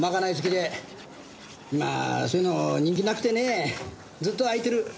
今はそういうの人気なくてねずっと空いてる。